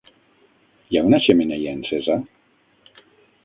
Hi ha una xemeneia encesa?